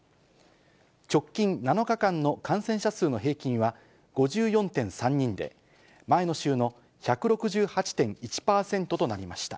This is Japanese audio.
直近７日間の感染者数の平均は５４．３人で、前の週の１６８．１％となりました。